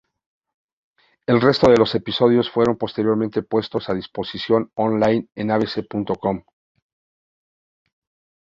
El resto de los episodios fueron posteriormente puestos a disposición online en "abc.com".